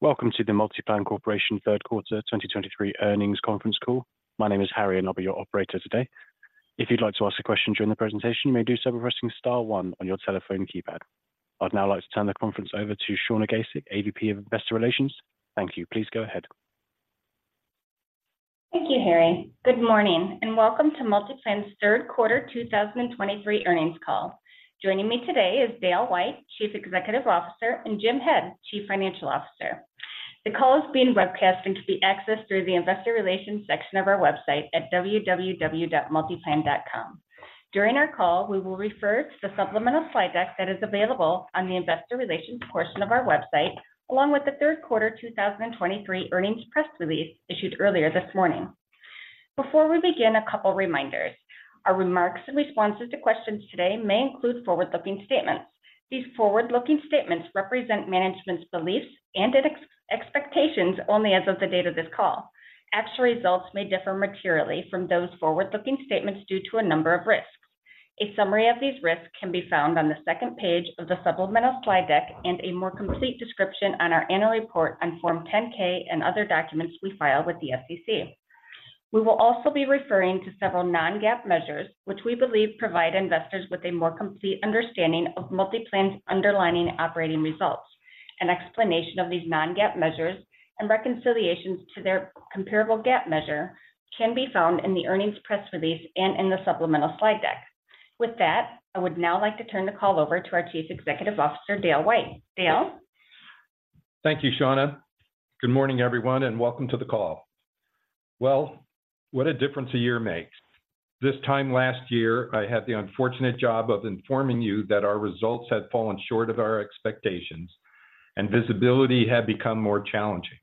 Welcome to the MultiPlan Corporation third quarter 2023 earnings conference call. My name is Harry, and I'll be your operator today. If you'd like to ask a question during the presentation, you may do so by pressing star one on your telephone keypad. I'd now like to turn the conference over to Shawna Gasik, AVP of Investor Relations. Thank you. Please go ahead. Thank you, Harry. Good morning, and welcome to MultiPlan's third quarter 2023 earnings call. Joining me today is Dale White, Chief Executive Officer, and Jim Head, Chief Financial Officer. The call is being broadcast and can be accessed through the investor relations section of our website at www.multiplan.com. During our call, we will refer to the supplemental slide deck that is available on the investor relations portion of our website, along with the third quarter 2023 earnings press release issued earlier this morning. Before we begin, a couple reminders. Our remarks in responses to questions today may include forward-looking statements. These forward-looking statements represent management's beliefs and expectations only as of the date of this call. Actual results may differ materially from those forward-looking statements due to a number of risks. A summary of these risks can be found on the second page of the supplemental slide deck, and a more complete description on our annual report on Form 10-K and other documents we filed with the SEC. We will also be referring to several non-GAAP measures, which we believe provide investors with a more complete understanding of MultiPlan's underlying operating results. An explanation of these non-GAAP measures and reconciliations to their comparable GAAP measure can be found in the earnings press release and in the supplemental slide deck. With that, I would now like to turn the call over to our Chief Executive Officer, Dale White. Dale? Thank you, Shawna. Good morning, everyone, and welcome to the call. Well, what a difference a year makes. This time last year, I had the unfortunate job of informing you that our results had fallen short of our expectations and visibility had become more challenging.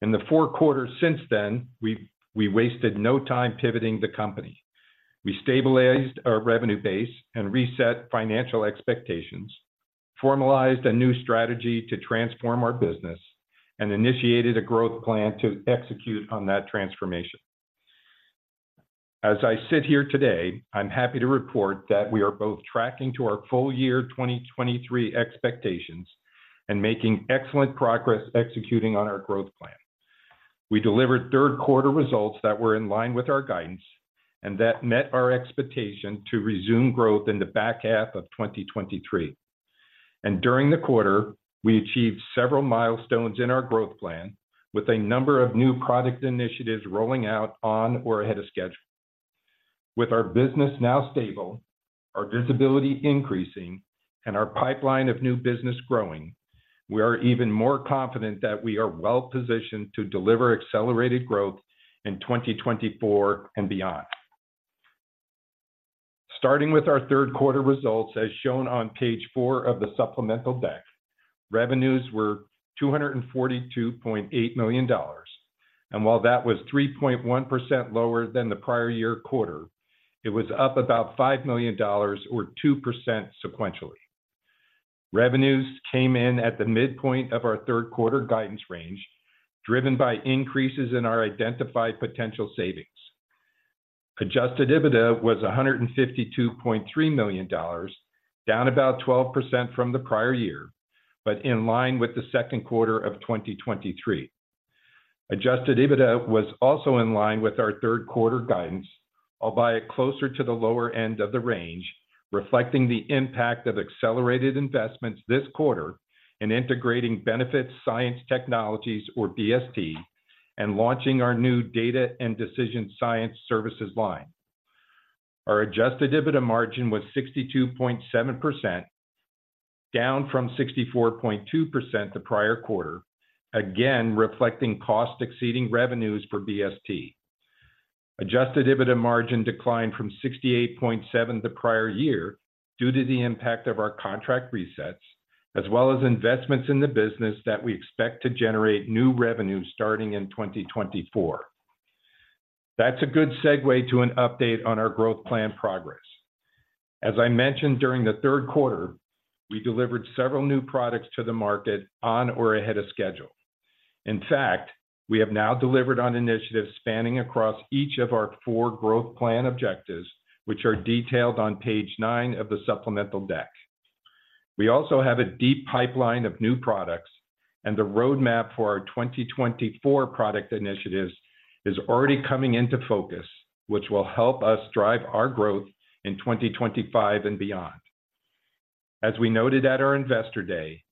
In the four quarters since then, we wasted no time pivoting the company. We stabilized our revenue base and reset financial expectations, formalized a new strategy to transform our business, and initiated a growth plan to execute on that transformation. As I sit here today, I'm happy to report that we are both tracking to our full year 2023 expectations and making excellent progress executing on our growth plan. We delivered third quarter results that were in line with our guidance and that met our expectation to resume growth in the back half of 2023. During the quarter, we achieved several milestones in our growth plan with a number of new product initiatives rolling out on or ahead of schedule. With our business now stable, our visibility increasing, and our pipeline of new business growing, we are even more confident that we are well-positioned to deliver accelerated growth in 2024 and beyond. Starting with our third quarter results, as shown on page 4 of the supplemental deck, revenues were $242.8 million, and while that was 3.1% lower than the prior-year quarter, it was up about $5 million or 2% sequentially. Revenues came in at the midpoint of our third quarter guidance range, driven by increases in our identified potential savings. Adjusted EBITDA was $152.3 million, down about 12% from the prior year, but in line with the second quarter of 2023. Adjusted EBITDA was also in line with our third quarter guidance, albeit closer to the lower end of the range, reflecting the impact of accelerated investments this quarter in integrating Benefit Science Technologies, or BST, and launching our new Data and Decision Science services line. Our adjusted EBITDA margin was 62.7%, down from 64.2% the prior quarter, again, reflecting cost exceeding revenues for BST. Adjusted EBITDA margin declined from 68.7% the prior year due to the impact of our contract resets, as well as investments in the business that we expect to generate new revenues starting in 2024. That's a good segue to an update on our growth plan progress. As I mentioned during the third quarter, we delivered several new products to the market on or ahead of schedule. In fact, we have now delivered on initiatives spanning across each of our four growth plan objectives, which are detailed on page 9 of the supplemental deck. We also have a deep pipeline of new products, and the roadmap for our 2024 product initiatives is already coming into focus, which will help us drive our growth in 2025 and beyond. As we noted at our Investor Day,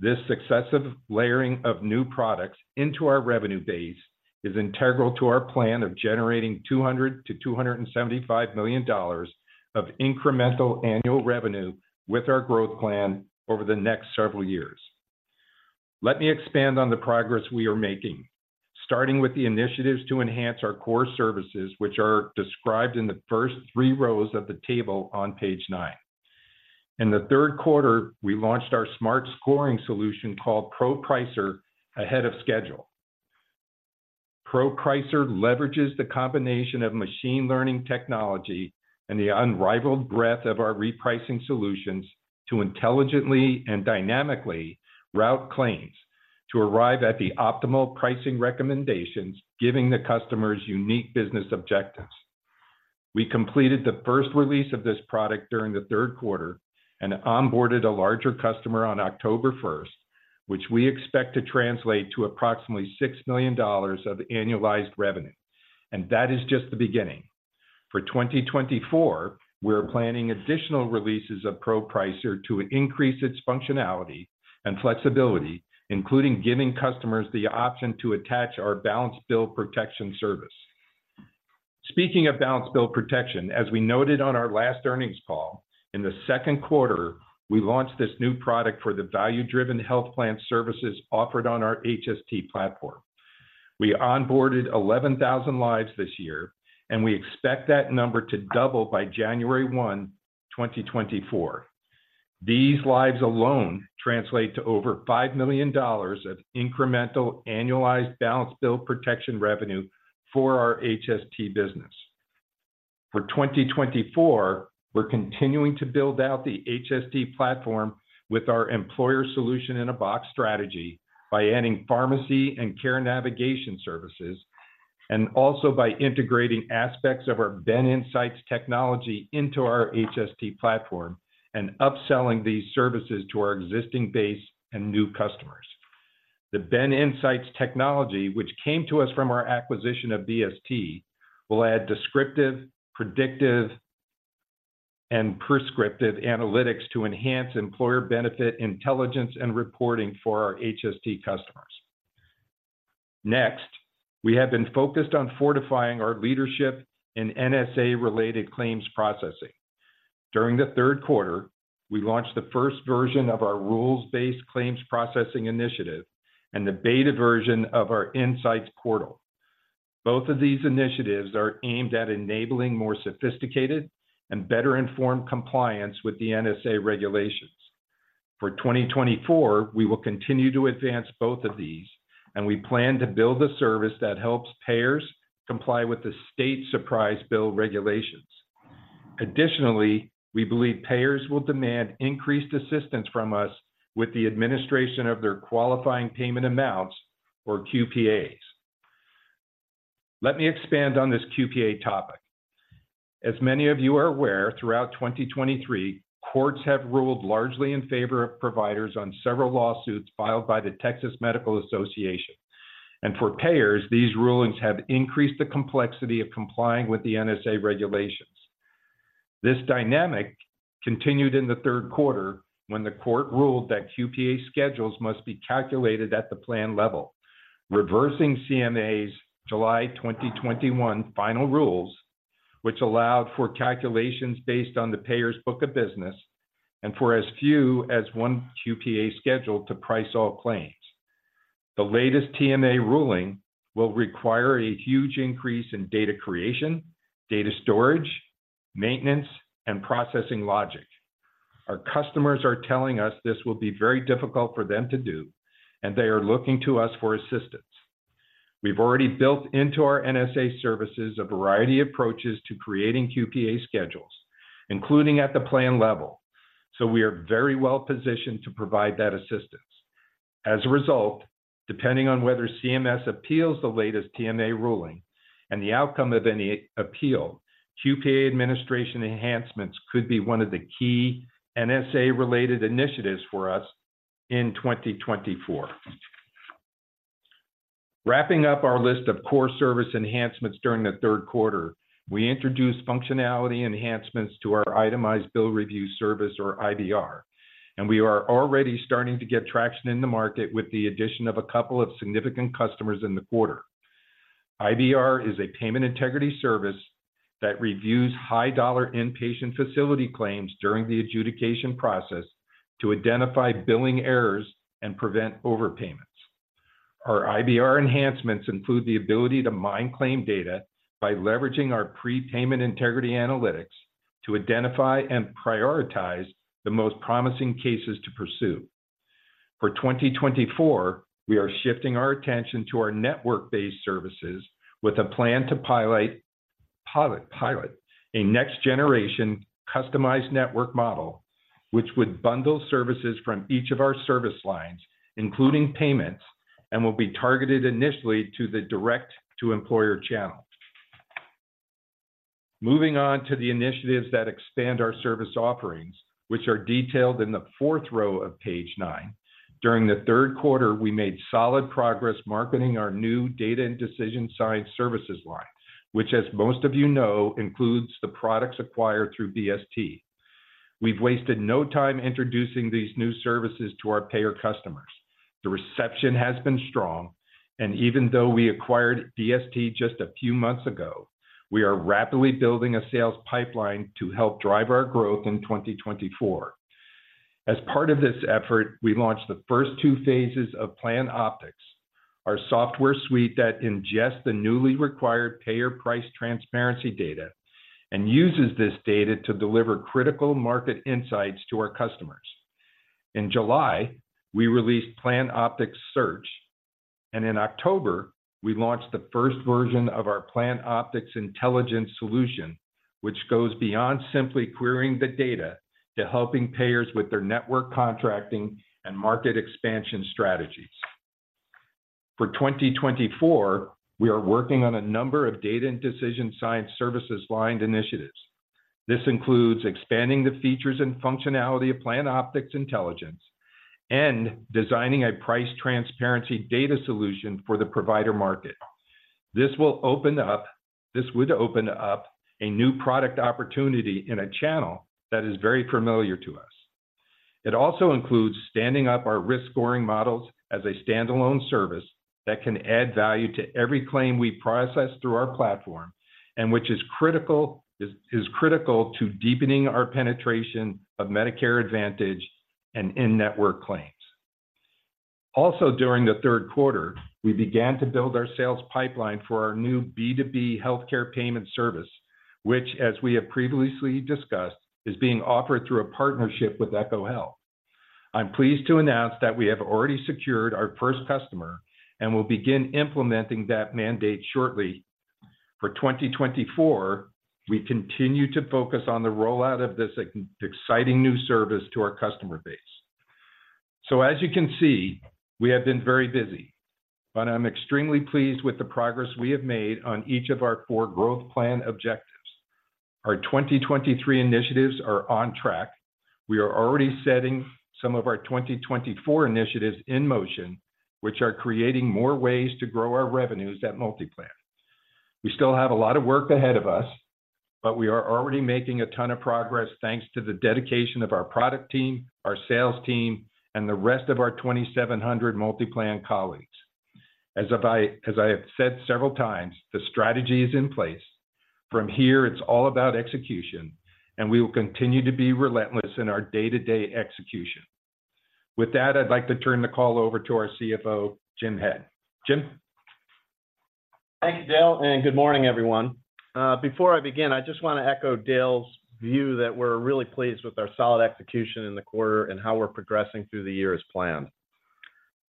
this successive layering of new products into our revenue base is integral to our plan of generating $200 million-$275 million of incremental annual revenue with our growth plan over the next several years. Let me expand on the progress we are making, starting with the initiatives to enhance our core services, which are described in the first three rows of the table on page 9. In the third quarter, we launched our smart scoring solution called ProPricer ahead of schedule. ProPricer leverages the combination of machine learning technology and the unrivaled breadth of our repricing solutions to intelligently and dynamically route claims to arrive at the optimal pricing recommendations, giving the customer's unique business objectives.... We completed the first release of this product during the third quarter and onboarded a larger customer on October 1st, which we expect to translate to approximately $6 million of annualized revenue. And that is just the beginning. For 2024, we're planning additional releases of ProPricer to increase its functionality and flexibility, including giving customers the option to attach our Balance Bill Protection service. Speaking of Balance Bill Protection, as we noted on our last earnings call, in the second quarter, we launched this new product for the Value-Driven Health Plan services offered on our HST platform. We onboarded 11,000 lives this year, and we expect that number to double by January 1, 2024. These lives alone translate to over $5 million of incremental annualized Balance Bill Protection revenue for our HST business. For 2024, we're continuing to build out the HST platform with our employer solution in a box strategy by adding pharmacy and care navigation services, and also by integrating aspects of our BenInsights technology into our HST platform and upselling these services to our existing base and new customers. The BenInsights technology, which came to us from our acquisition of BST, will add descriptive, predictive, and prescriptive analytics to enhance employer benefit intelligence and reporting for our HST customers. Next, we have been focused on fortifying our leadership in NSA-related claims processing. During the third quarter, we launched the first version of our rules-based claims processing initiative and the beta version of our Insights portal. Both of these initiatives are aimed at enabling more sophisticated and better-informed compliance with the NSA regulations. For 2024, we will continue to advance both of these, and we plan to build a service that helps payers comply with the state surprise bill regulations. Additionally, we believe payers will demand increased assistance from us with the administration of their qualifying payment amounts, or QPAs. Let me expand on this QPA topic. As many of you are aware, throughout 2023, courts have ruled largely in favor of providers on several lawsuits filed by the Texas Medical Association. For payers, these rulings have increased the complexity of complying with the NSA regulations. This dynamic continued in the third quarter when the court ruled that QPA schedules must be calculated at the plan level, reversing CMS's July 2021 final rules, which allowed for calculations based on the payer's book of business and for as few as 1 QPA schedule to price all claims. The latest TMA ruling will require a huge increase in data creation, data storage, maintenance, and processing logic. Our customers are telling us this will be very difficult for them to do, and they are looking to us for assistance. We've already built into our NSA services a variety of approaches to creating QPA schedules, including at the plan level, so we are very well positioned to provide that assistance. As a result, depending on whether CMS appeals the latest TMA ruling and the outcome of any appeal, QPA administration enhancements could be one of the key NSA related initiatives for us in 2024. Wrapping up our list of core service enhancements during the third quarter, we introduced functionality enhancements to our Itemized Bill Review service, or IBR, and we are already starting to get traction in the market with the addition of a couple of significant customers in the quarter. IBR is a payment integrity service that reviews high-dollar inpatient facility claims during the adjudication process to identify billing errors and prevent overpayments. Our IBR enhancements include the ability to mine claim data by leveraging our pre-payment integrity analytics to identify and prioritize the most promising cases to pursue. For 2024, we are shifting our attention to our network-based services with a plan to pilot a next generation customized network model, which would bundle services from each of our service lines, including payments, and will be targeted initially to the direct-to-employer channel. Moving on to the initiatives that expand our service offerings, which are detailed in the fourth row of page 9. During the third quarter, we made solid progress marketing our new Data and Decision Science services line, which, as most of you know, includes the products acquired through BST. We've wasted no time introducing these new services to our payer customers. The reception has been strong, and even though we acquired BST just a few months ago, we are rapidly building a sales pipeline to help drive our growth in 2024. As part of this effort, we launched the first two phases of PlanOptics, our software suite that ingests the newly required payer price transparency data and uses this data to deliver critical market insights to our customers. In July, we released PlanOptics Search, and in October, we launched the first version of our PlanOptics Intelligence solution, which goes beyond simply querying the data to helping payers with their network contracting and market expansion strategies. For 2024, we are working on a number of data and decision science service line initiatives. This includes expanding the features and functionality of PlanOptics Intelligence, and designing a price transparency data solution for the provider market. This would open up a new product opportunity in a channel that is very familiar to us. It also includes standing up our risk scoring models as a standalone service that can add value to every claim we process through our platform, and which is critical to deepening our penetration of Medicare Advantage and in-network claims. Also, during the third quarter, we began to build our sales pipeline for our new B2B healthcare payment service, which, as we have previously discussed, is being offered through a partnership with ECHO Health. I'm pleased to announce that we have already secured our first customer, and will begin implementing that mandate shortly. For 2024, we continue to focus on the rollout of this exciting new service to our customer base. So as you can see, we have been very busy, but I'm extremely pleased with the progress we have made on each of our four growth plan objectives. Our 2023 initiatives are on track. We are already setting some of our 2024 initiatives in motion, which are creating more ways to grow our revenues at MultiPlan. We still have a lot of work ahead of us, but we are already making a ton of progress, thanks to the dedication of our product team, our sales team, and the rest of our 2,700 MultiPlan colleagues. As I have said several times, the strategy is in place. From here, it's all about execution, and we will continue to be relentless in our day-to-day execution. With that, I'd like to turn the call over to our CFO, Jim Head. Jim? Thank you, Dale, and good morning, everyone. Before I begin, I just want to echo Dale's view that we're really pleased with our solid execution in the quarter and how we're progressing through the year as planned.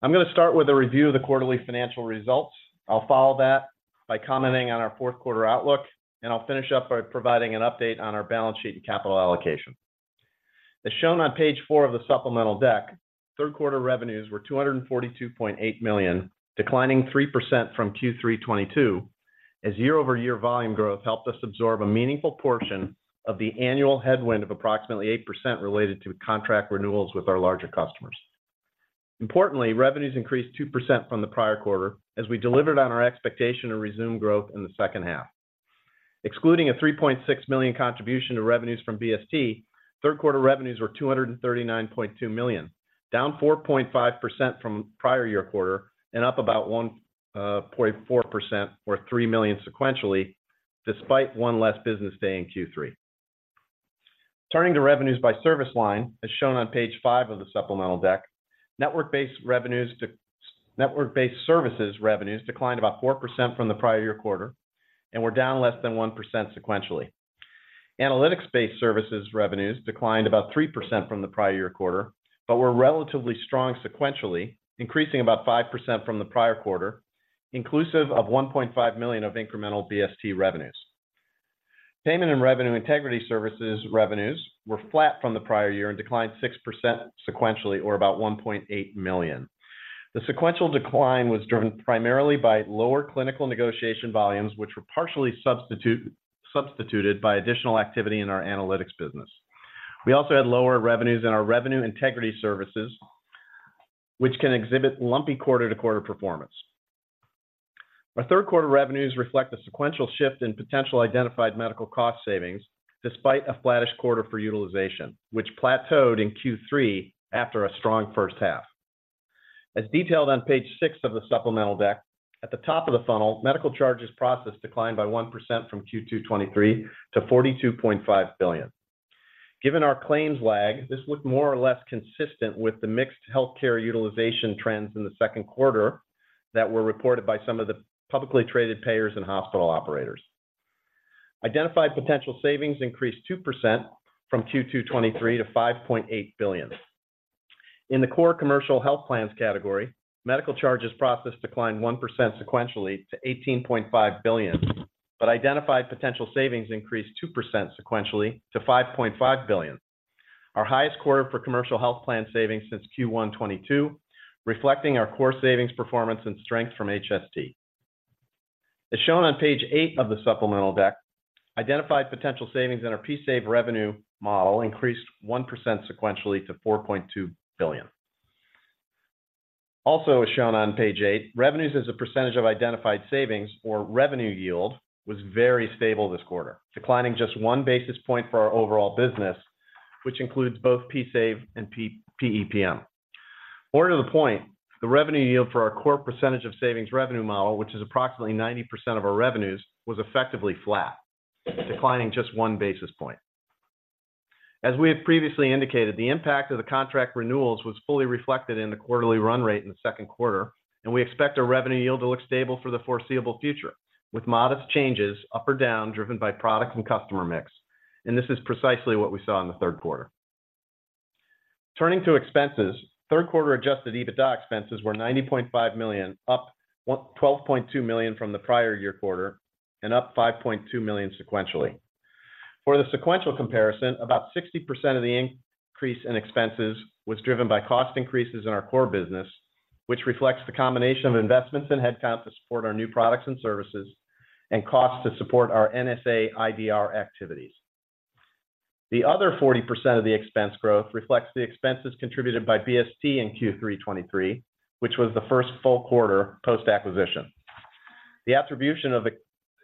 I'm gonna start with a review of the quarterly financial results. I'll follow that by commenting on our fourth quarter outlook, and I'll finish up by providing an update on our balance sheet and capital allocation. As shown on page four of the supplemental deck, third quarter revenues were $242.8 million, declining 3% from Q3 2022, as year-over-year volume growth helped us absorb a meaningful portion of the annual headwind of approximately 8% related to contract renewals with our larger customers. Importantly, revenues increased 2% from the prior quarter, as we delivered on our expectation to resume growth in the second half. Excluding a $3.6 million contribution to revenues from BST, third quarter revenues were $239.2 million, down 4.5% from prior year quarter, and up about 1.4% or $3 million sequentially, despite one less business day in Q3. Turning to revenues by service line, as shown on page 5 of the supplemental deck, network-based services revenues declined about 4% from the prior year quarter, and were down less than 1% sequentially. Analytics-based services revenues declined about 3% from the prior year quarter, but were relatively strong sequentially, increasing about 5% from the prior quarter, inclusive of $1.5 million of incremental BST revenues. Payment and revenue integrity services revenues were flat from the prior year and declined 6% sequentially, or about $1.8 million. The sequential decline was driven primarily by lower clinical negotiation volumes, which were partially substituted by additional activity in our analytics business. We also had lower revenues in our revenue integrity services, which can exhibit lumpy quarter-to-quarter performance. Our third quarter revenues reflect the sequential shift in potential identified medical cost savings, despite a flattish quarter for utilization, which plateaued in Q3 after a strong first half. As detailed on page 6 of the supplemental deck, at the top of the funnel, medical charges processed declined by 1% from Q2 2023 to $42.5 billion. Given our claims lag, this was more or less consistent with the mixed healthcare utilization trends in the second quarter that were reported by some of the publicly traded payers and hospital operators. Identified potential savings increased 2% from Q2 2023 to $5.8 billion. In the core commercial health plans category, medical charges processed declined 1% sequentially to $18.5 billion, but identified potential savings increased 2% sequentially to $5.5 billion. Our highest quarter for commercial health plan savings since Q1 2022, reflecting our core savings performance and strength from HST. As shown on page 8 of the supplemental deck, identified potential savings in our PSAV revenue model increased 1% sequentially to $4.2 billion. Also, as shown on page 8, revenues as a percentage of identified savings or revenue yield, was very stable this quarter, declining just 1 basis point for our overall business, which includes both PSAV and PEPM. More to the point, the revenue yield for our core percentage of savings revenue model, which is approximately 90% of our revenues, was effectively flat, declining just 1 basis point. As we have previously indicated, the impact of the contract renewals was fully reflected in the quarterly run rate in the second quarter, and we expect our revenue yield to look stable for the foreseeable future, with modest changes up or down, driven by product and customer mix. This is precisely what we saw in the third quarter. Turning to expenses, third quarter adjusted EBITDA expenses were $90.5 million, up $12.2 million from the prior year quarter, and up $5.2 million sequentially. For the sequential comparison, about 60% of the increase in expenses was driven by cost increases in our core business, which reflects the combination of investments in headcount to support our new products and services, and costs to support our NSA IDR activities. The other 40% of the expense growth reflects the expenses contributed by BST in Q3 2023, which was the first full quarter post-acquisition. The attribution of the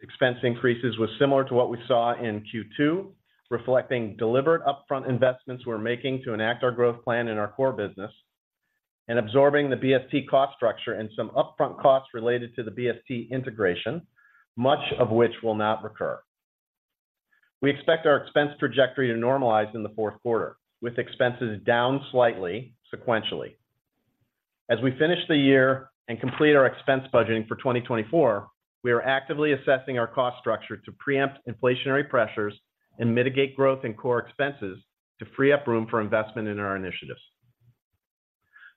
expense increases was similar to what we saw in Q2, reflecting deliberate upfront investments we're making to enact our growth plan in our core business, and absorbing the BST cost structure and some upfront costs related to the BST integration, much of which will not recur. We expect our expense trajectory to normalize in the fourth quarter, with expenses down slightly sequentially. As we finish the year and complete our expense budgeting for 2024, we are actively assessing our cost structure to preempt inflationary pressures and mitigate growth in core expenses to free up room for investment in our initiatives.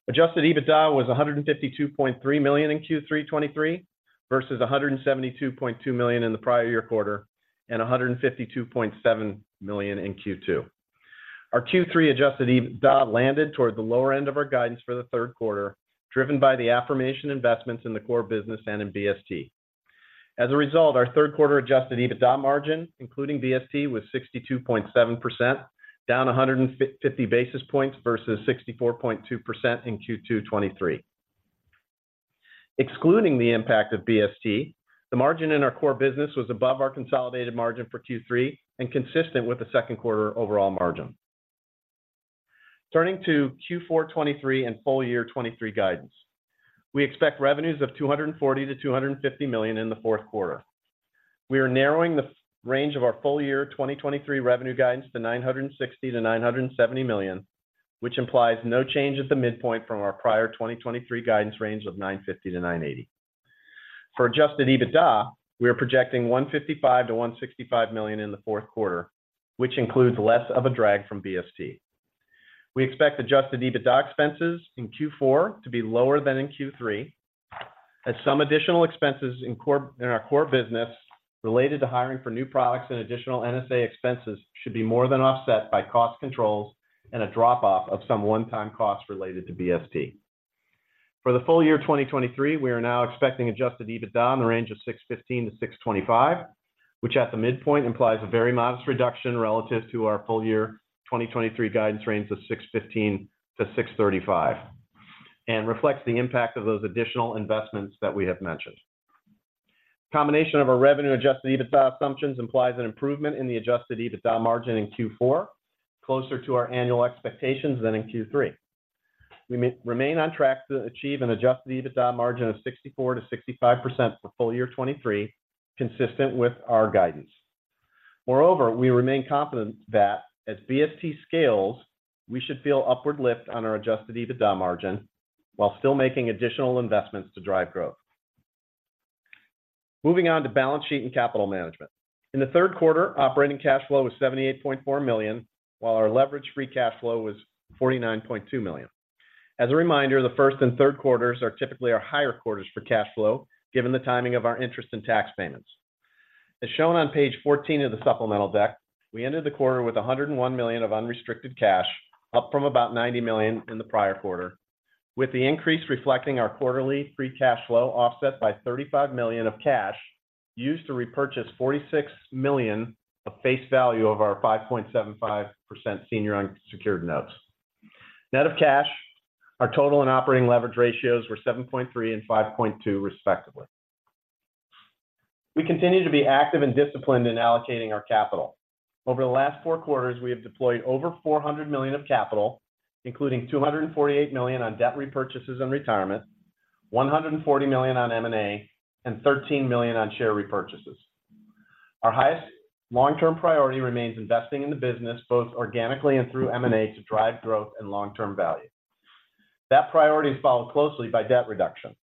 Adjusted EBITDA was $152.3 million in Q3 2023, versus $172.2 million in the prior year quarter, and $152.7 million in Q2. Our Q3 adjusted EBITDA landed toward the lower end of our guidance for the third quarter, driven by the additional investments in the core business and in BST. As a result, our third quarter adjusted EBITDA margin, including BST, was 62.7%, down 150 basis points versus 64.2% in Q2 2023. Excluding the impact of BST, the margin in our core business was above our consolidated margin for Q3 and consistent with the second quarter overall margin. Turning to Q4 2023 and full year 2023 guidance. We expect revenues of $240 million-$250 million in the fourth quarter. We are narrowing the range of our full year 2023 revenue guidance to $960 million-$970 million, which implies no change at the midpoint from our prior 2023 guidance range of $950 million-$980 million. For Adjusted EBITDA, we are projecting $155 million-$165 million in the fourth quarter, which includes less of a drag from BST. We expect Adjusted EBITDA expenses in Q4 to be lower than in Q3, as some additional expenses in our core business related to hiring for new products and additional NSA expenses, should be more than offset by cost controls and a drop-off of some one-time costs related to BST. For the full year 2023, we are now expecting adjusted EBITDA in the range of $615 million-$625 million, which at the midpoint implies a very modest reduction relative to our full year 2023 guidance range of $615 million-$635 million, and reflects the impact of those additional investments that we have mentioned. Combination of our revenue adjusted EBITDA assumptions implies an improvement in the adjusted EBITDA margin in Q4, closer to our annual expectations than in Q3. We remain on track to achieve an adjusted EBITDA margin of 64%-65% for full year 2023, consistent with our guidance. Moreover, we remain confident that as BST scales, we should feel upward lift on our adjusted EBITDA margin while still making additional investments to drive growth. Moving on to balance sheet and capital management. In the third quarter, operating cash flow was $78.4 million, while our leverage-free cash flow was $49.2 million. As a reminder, the first and third quarters are typically our higher quarters for cash flow, given the timing of our interest and tax payments. As shown on page 14 of the supplemental deck, we ended the quarter with $101 million of unrestricted cash, up from about $90 million in the prior quarter, with the increase reflecting our quarterly free cash flow, offset by $35 million of cash used to repurchase $46 million of face value of our 5.75% senior unsecured notes. Net of cash, our total and operating leverage ratios were 7.3 and 5.2 respectively. We continue to be active and disciplined in allocating our capital. Over the last four quarters, we have deployed over $400 million of capital, including $248 million on debt repurchases and retirement, $140 million on M&A, and $13 million on share repurchases. Our highest long-term priority remains investing in the business, both organically and through M&A, to drive growth and long-term value. That priority is followed closely by debt reduction.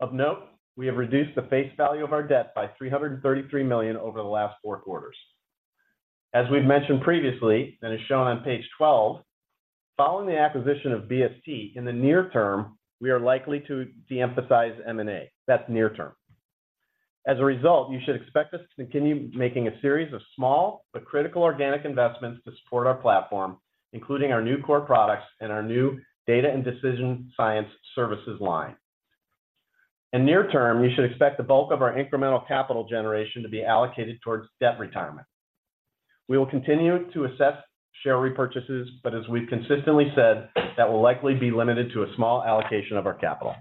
Of note, we have reduced the face value of our debt by $333 million over the last four quarters. As we've mentioned previously, and is shown on page 12, following the acquisition of BST, in the near term, we are likely to de-emphasize M&A. That's near term. As a result, you should expect us to continue making a series of small but critical organic investments to support our platform, including our new core products and our new Data and Decision Science services line. In near term, you should expect the bulk of our incremental capital generation to be allocated towards debt retirement. We will continue to assess share repurchases, but as we've consistently said, that will likely be limited to a small allocation of our capital.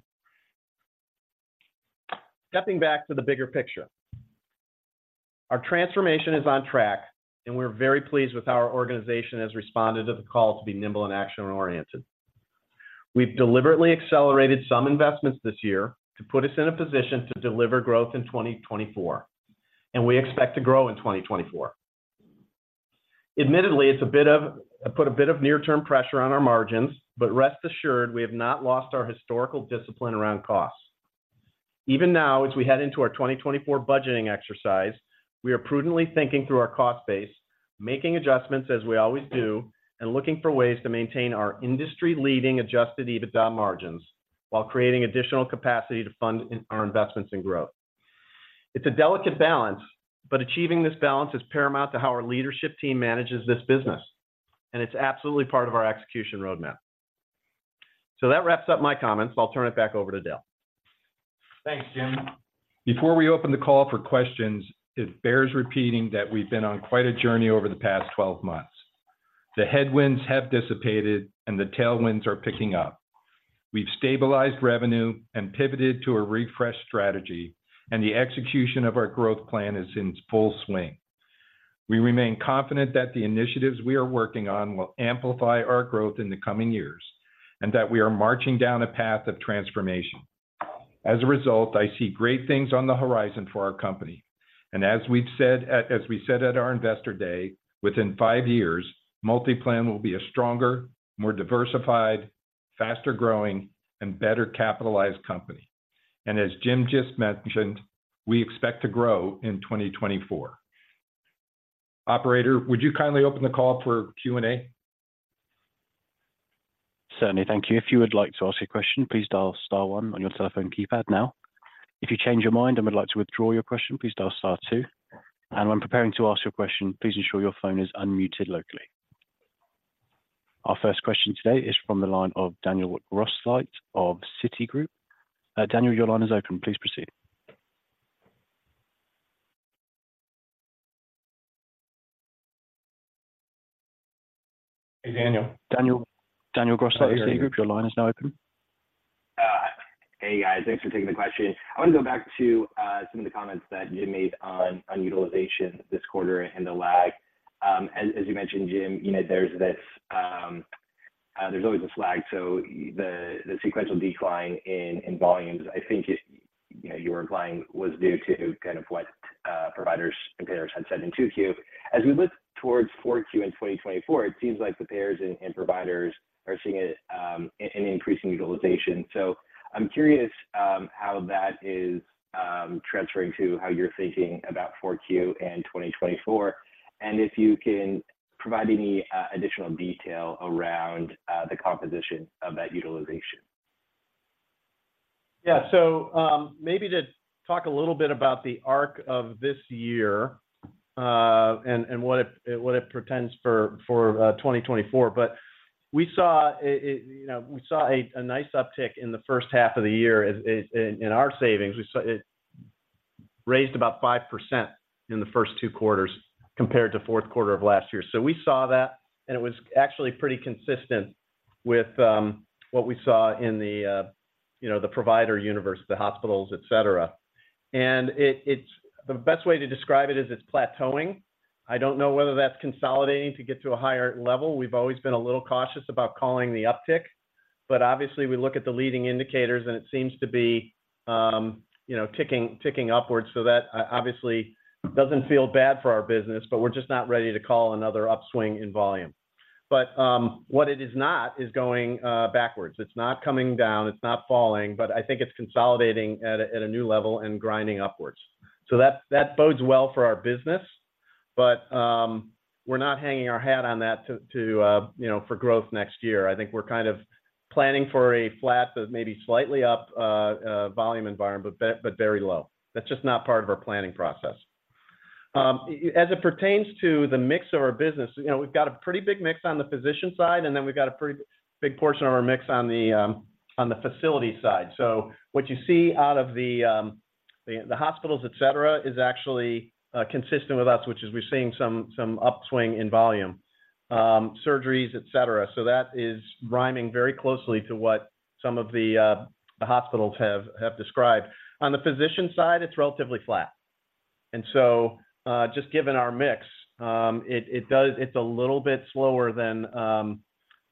Stepping back to the bigger picture, our transformation is on track, and we're very pleased with how our organization has responded to the call to be nimble and action-oriented. We've deliberately accelerated some investments this year to put us in a position to deliver growth in 2024, and we expect to grow in 2024. Admittedly, it puts a bit of near-term pressure on our margins, but rest assured, we have not lost our historical discipline around costs. Even now, as we head into our 2024 budgeting exercise, we are prudently thinking through our cost base, making adjustments as we always do, and looking for ways to maintain our industry-leading Adjusted EBITDA margins, while creating additional capacity to fund our investments in growth. It's a delicate balance, but achieving this balance is paramount to how our leadership team manages this business, and it's absolutely part of our execution roadmap. So that wraps up my comments. I'll turn it back over to Dale. Thanks, Jim. Before we open the call for questions, it bears repeating that we've been on quite a journey over the past 12 months. The headwinds have dissipated, and the tailwinds are picking up. We've stabilized revenue and pivoted to a refreshed strategy, and the execution of our growth plan is in full swing. We remain confident that the initiatives we are working on will amplify our growth in the coming years, and that we are marching down a path of transformation. As a result, I see great things on the horizon for our company, and as we said at our Investor Day, within five years, MultiPlan will be a stronger, more diversified, faster-growing, and better capitalized company. And as Jim just mentioned, we expect to grow in 2024. Operator, would you kindly open the call for Q&A? Certainly. Thank you. If you would like to ask a question, please dial star one on your telephone keypad now. If you change your mind and would like to withdraw your question, please dial star two. When preparing to ask your question, please ensure your phone is unmuted locally. Our first question today is from the line of Daniel Grosslight of Citigroup. Daniel, your line is open. Please proceed. Hey, Daniel. Daniel? Daniel Grosslight of Citigroup, your line is now open. Hey, guys. Thanks for taking the question. I want to go back to some of the comments that Jim made on utilization this quarter and the lag. As you mentioned, Jim, you know, there's always this lag, so the sequential decline in volumes, I think it you know, you were implying was due to kind of what providers and payers had said in 2Q. As we look towards 4Q in 2024, it seems like the payers and providers are seeing it in increasing utilization. So I'm curious how that is transferring to how you're thinking about 4Q and 2024, and if you can provide any additional detail around the composition of that utilization. Yeah. So, maybe to talk a little bit about the arc of this year, and what it portends for 2024. But we saw it, you know, we saw a nice uptick in the first half of the year in our savings. We saw it raised about 5% in the first two quarters, compared to fourth quarter of last year. So we saw that, and it was actually pretty consistent with what we saw in the, you know, the provider universe, the hospitals, et cetera. And it's... The best way to describe it is it's plateauing. I don't know whether that's consolidating to get to a higher level. We've always been a little cautious about calling the uptick, but obviously, we look at the leading indicators, and it seems to be, you know, ticking, ticking upwards. So that obviously doesn't feel bad for our business, but we're just not ready to call another upswing in volume. But, what it is not, is going, backwards. It's not coming down, it's not falling, but I think it's consolidating at a new level and grinding upwards. So that, that bodes well for our business, but, we're not hanging our hat on that to, you know, for growth next year. I think we're kind of planning for a flat to maybe slightly up, volume environment, but but very low. That's just not part of our planning process. As it pertains to the mix of our business, you know, we've got a pretty big mix on the physician side, and then we've got a pretty big portion of our mix on the facility side. So what you see out of the hospitals, et cetera, is actually consistent with us, which is we're seeing some upswing in volume, surgeries, et cetera. So that is rhyming very closely to what some of the hospitals have described. On the physician side, it's relatively flat. And so, just given our mix, it does. It's a little bit slower than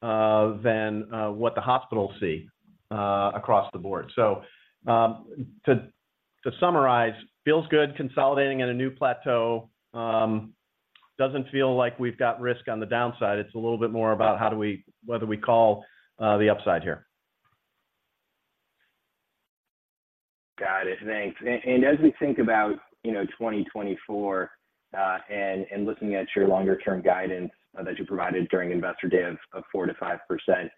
what the hospitals see across the board. So, to summarize, feels good, consolidating at a new plateau, doesn't feel like we've got risk on the downside. It's a little bit more about how do we whether we call the upside here. Got it. Thanks. And as we think about, you know, 2024, and looking at your longer-term guidance that you provided during Investor Day of four to five percent,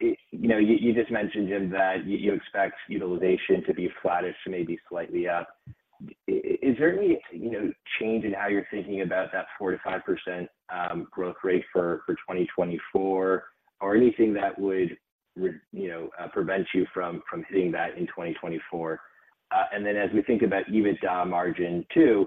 it... You know, you just mentioned, Jim, that you expect utilization to be flattish to maybe slightly up. Is there any, you know, change in how you're thinking about that 4%-5% growth rate for 2024, or anything that would, you know, prevent you from hitting that in 2024? And then as we think about EBITDA margin too,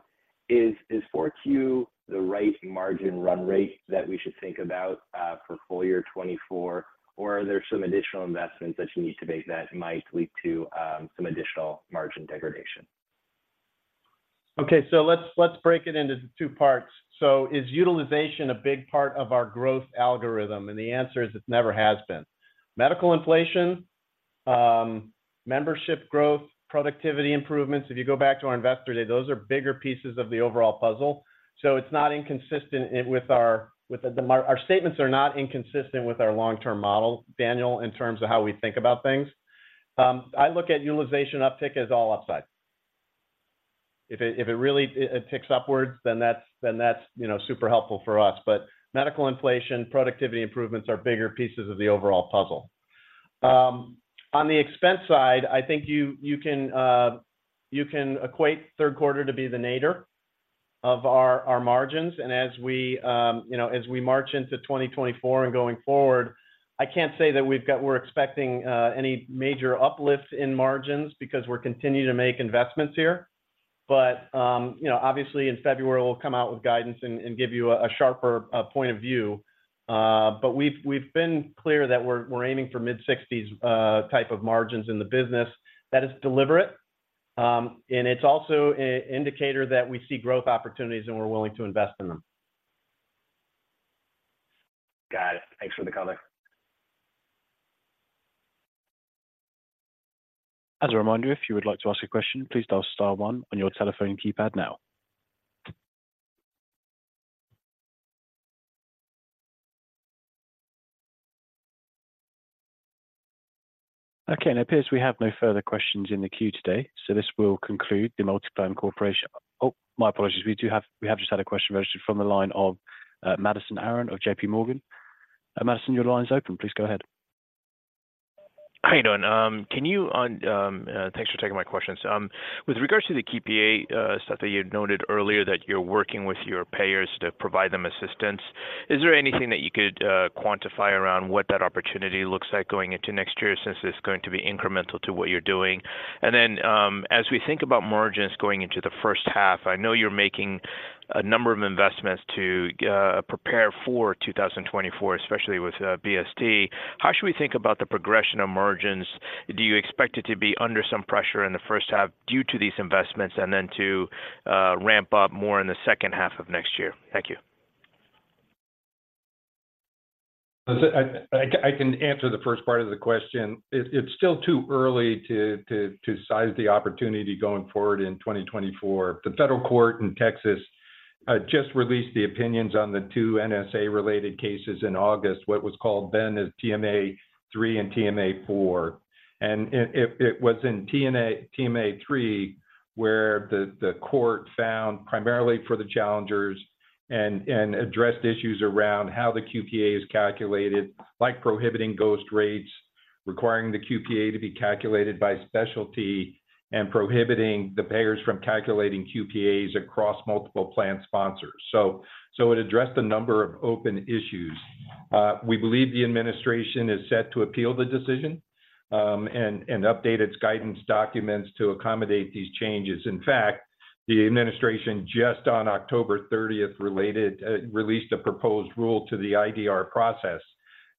is 4Q the right margin run rate that we should think about for full year 2024, or are there some additional investments that you need to make that might lead to some additional margin degradation? Okay, so let's break it into two parts. So is utilization a big part of our growth algorithm? And the answer is, it never has been. Medical inflation, membership growth, productivity improvements, if you go back to our Investor Day, those are bigger pieces of the overall puzzle. So it's not inconsistent with our statements. Our statements are not inconsistent with our long-term model, Daniel, in terms of how we think about things. I look at utilization uptick as all upside. If it really ticks upwards, then that's, you know, super helpful for us. But medical inflation, productivity improvements are bigger pieces of the overall puzzle. On the expense side, I think you can equate third quarter to be the nadir of our margins. And as we, you know, as we march into 2024 and going forward, I can't say that we've got—we're expecting any major uplifts in margins because we're continuing to make investments here. But, you know, obviously in February, we'll come out with guidance and give you a sharper point of view. But we've been clear that we're aiming for mid-60s type of margins in the business. That is deliberate, and it's also an indicator that we see growth opportunities, and we're willing to invest in them. Got it. Thanks for the color. As a reminder, if you would like to ask a question, please dial star one on your telephone keypad now. Okay, and it appears we have no further questions in the queue today, so this will conclude the MultiPlan Corporation... Oh, my apologies. We do have. We have just had a question registered from the line of Madison Aron of JPMorgan. Madison, your line is open. Please go ahead. How you doing? Thanks for taking my questions. With regards to the QPA stuff that you noted earlier, that you're working with your payers to provide them assistance, is there anything that you could quantify around what that opportunity looks like going into next year, since it's going to be incremental to what you're doing? And then, as we think about margins going into the first half, I know you're making a number of investments to prepare for 2024, especially with BST. How should we think about the progression of margins? Do you expect it to be under some pressure in the first half due to these investments, and then to ramp up more in the second half of next year? Thank you. I can answer the first part of the question. It's still too early to size the opportunity going forward in 2024. The federal court in Texas just released the opinions on the two NSA-related cases in August, what was called then as TMA-3 and TMA-4. And it was in TMA-3, where the court found, primarily for the challengers, and addressed issues around how the QPA is calculated, like prohibiting ghost rates, requiring the QPA to be calculated by specialty, and prohibiting the payers from calculating QPAs across multiple plan sponsors. So it addressed a number of open issues. We believe the administration is set to appeal the decision, and update its guidance documents to accommodate these changes. In fact, the administration, just on October 30th, recently released a proposed rule to the IDR process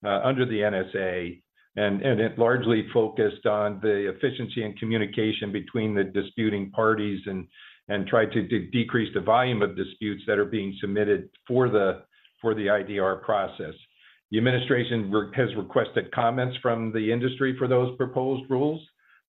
under the NSA, and it largely focused on the efficiency and communication between the disputing parties, and tried to decrease the volume of disputes that are being submitted for the IDR process. The administration has requested comments from the industry for those proposed rules.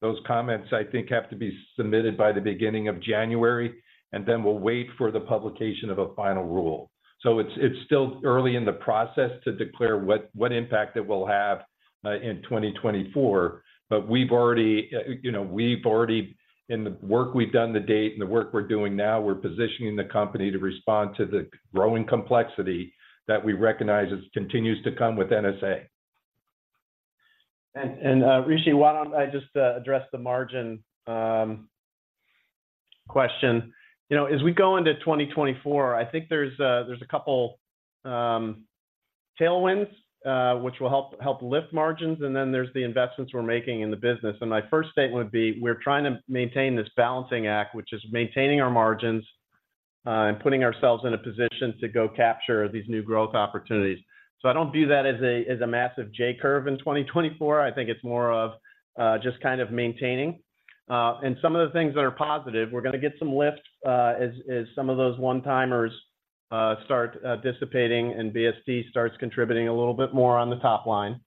Those comments, I think, have to be submitted by the beginning of January, and then we'll wait for the publication of a final rule. So it's still early in the process to declare what impact it will have in 2024, but we've already, you know, we've already... In the work we've done to date and the work we're doing now, we're positioning the company to respond to the growing complexity that we recognize as continues to come with NSA. Rishi, why don't I just address the margin question? You know, as we go into 2024, I think there's a couple tailwinds which will help lift margins, and then there's the investments we're making in the business. My first statement would be, we're trying to maintain this balancing act, which is maintaining our margins and putting ourselves in a position to go capture these new growth opportunities. So I don't view that as a massive J curve in 2024. I think it's more of just kind of maintaining. And some of the things that are positive, we're gonna get some lifts as some of those one-timers start dissipating, and BST starts contributing a little bit more on the top line.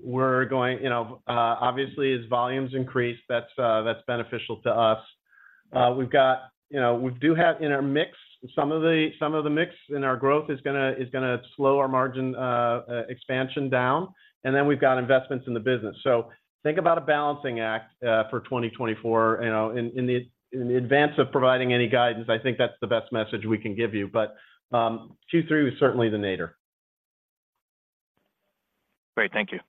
We're going... You know, obviously, as volumes increase, that's beneficial to us. We've got. You know, we do have in our mix, some of the mix in our growth is gonna slow our margin expansion down, and then we've got investments in the business. So think about a balancing act for 2024. You know, in advance of providing any guidance, I think that's the best message we can give you. But Q3 was certainly the nadir. Great. Thank you.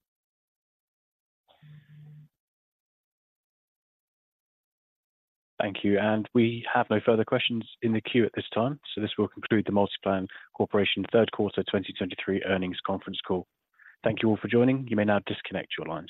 Thank you. We have no further questions in the queue at this time, so this will conclude the MultiPlan Corporation third quarter 2023 Earnings Conference Call. Thank you all for joining. You may now disconnect your lines.